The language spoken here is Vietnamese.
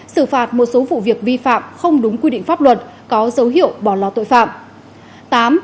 xử phạt một số vụ việc vi phạm không đúng quy định pháp luật có dấu hiệu bỏ lò tội phạm